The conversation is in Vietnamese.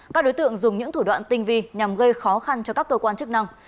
các đối tượng dùng những thủ đoạn tinh vi nhằm gây khó khăn cho các cơ quan chức năng